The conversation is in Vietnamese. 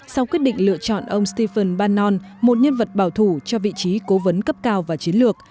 sau quyết định lựa chọn ông stephen bannon một nhân vật bảo thủ cho vị trí cố vấn cấp cao và chiến lược